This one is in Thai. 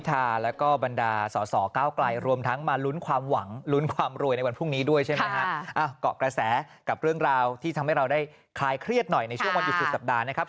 เกาะกระแสกับเรื่องราวที่ทำให้เราได้คลายเครียดหน่อยในช่วงวันหยุดสุดสัปดาห์นะครับ